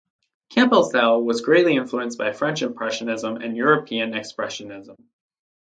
Campbell’s style was greatly influenced by French Impressionism and European Expressionism.